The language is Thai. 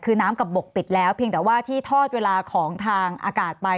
คือน้ำกับบกปิดแล้วเพียงแต่ว่าที่ทอดเวลาของทางอากาศไป